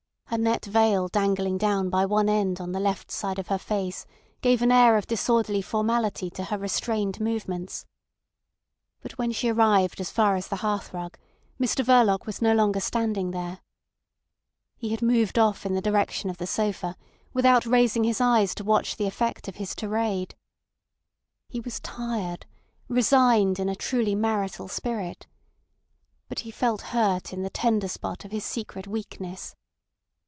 Her net veil dangling down by one end on the left side of her face gave an air of disorderly formality to her restrained movements. But when she arrived as far as the hearthrug, Mr Verloc was no longer standing there. He had moved off in the direction of the sofa, without raising his eyes to watch the effect of his tirade. He was tired, resigned in a truly marital spirit. But he felt hurt in the tender spot of his secret weakness.